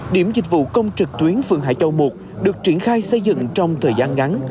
điểm dịch vụ công trực tuyến phường hải châu một được triển khai xây dựng trong thời gian ngắn